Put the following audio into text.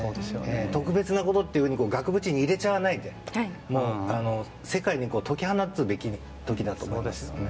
特別なことって額縁に入れちゃわないで世界に解き放つべき時だと思いますね。